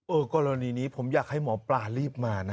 กรณีนี้ผมอยากให้หมอปลารีบมานะ